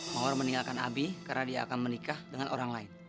mawar meninggalkan abi karena dia akan menikah dengan orang lain